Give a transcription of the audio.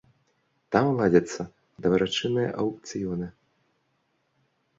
Там ладзяцца дабрачынныя аўкцыёны.